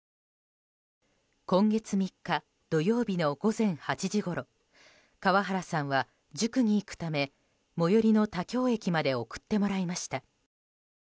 今月３日、土曜日の午前８時ごろ川原さんは、塾に行くため最寄りの田京駅まで送ってもらいました。